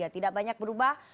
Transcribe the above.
tidak banyak berubah